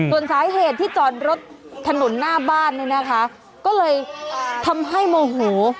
ส่วนสาเหตุที่จอดรถถนนหน้าบ้านเนี่ยนะคะก็เลยทำให้โมโห